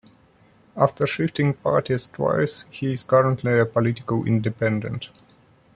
After shifting parties twice, he is currently a political independent.